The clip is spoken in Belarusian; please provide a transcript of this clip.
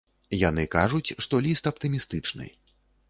Яны кажуць, што ліст аптымістычны.